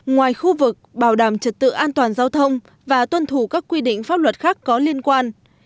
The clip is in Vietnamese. ngoài khu vực bảo đảm trật tự an toàn giao thông và tuân thủ các quy định pháp luật khác có liên quan